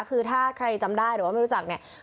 คือถ้าใครจำได้หรือว่าไม่รู้จักเนี่ย